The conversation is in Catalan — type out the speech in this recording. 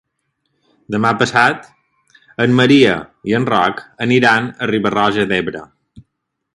Demà passat en Maria i en Roc aniran a Riba-roja d'Ebre.